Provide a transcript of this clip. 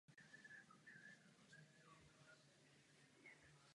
V následujících měsících uskutečnil asi čtyřicet projevů v řadě amerických měst.